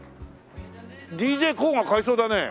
ＤＪＫＯＯが買いそうだねえ。